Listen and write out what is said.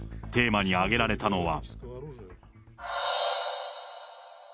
テーマに挙げられたのは。